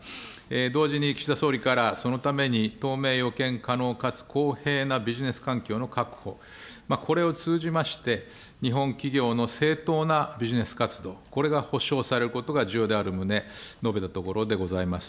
同時に、岸田総理から、そのためにとうめいかつ公平なビジネス環境の確保、これを通じまして、日本企業の正当なビジネス活動、これが保障されることが重要である旨、述べたところでございます。